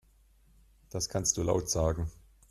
Das kannst du laut sagen.